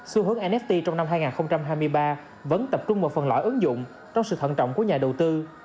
xu hướng nst trong năm hai nghìn hai mươi ba vẫn tập trung một phần lõi ứng dụng trong sự thận trọng của nhà đầu tư